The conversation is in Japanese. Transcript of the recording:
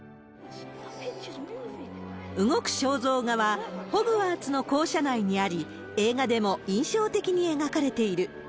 動く肖像画はホグワーツの校舎内にあり、映画でも印象的に描かれている。